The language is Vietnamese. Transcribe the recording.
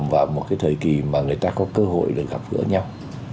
vào một cái thời kỳ mà người ta có cơ hội được gặp gỡ nhau